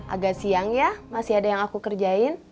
agak siang ya masih ada yang aku kerjain